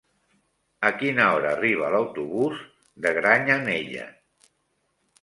A quina hora arriba l'autobús de Granyanella?